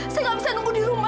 saya nggak bisa nunggu di rumah